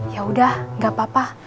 yaudah gak apa apa